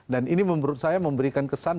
dan ini menurut saya memberikan kesan